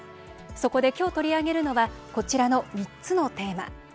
そこで今日、取り上げるのはこちらの３つのテーマ。